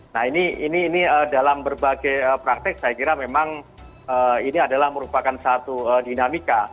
nah ini dalam berbagai praktek saya kira memang ini adalah merupakan satu dinamika